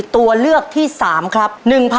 ตัวเลือกที่๓ครับ